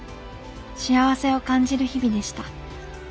幸せを感じる日々でした。